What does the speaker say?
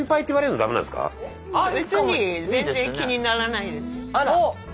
別に全然気にならないですよ。